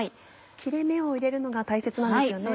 切れ目を入れるのが大切なんですよね。